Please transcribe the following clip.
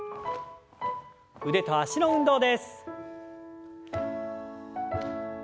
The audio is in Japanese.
腕と脚の運動です。